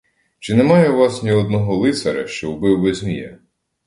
Чи немає у вас ні одного лицаря, що вбив би змія?